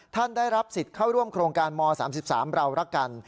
ท่านได้รับสิทธิ์เข้าร่วมโครงการม๓๓เรารักกัน